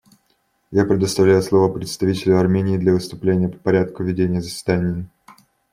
Я предоставляю слово представителю Армении для выступления по порядку ведения заседания.